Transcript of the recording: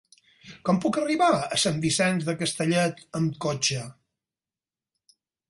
Com puc arribar a Sant Vicenç de Castellet amb cotxe?